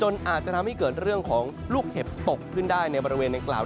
อาจจะทำให้เกิดเรื่องของลูกเห็บตกขึ้นได้ในบริเวณดังกล่าว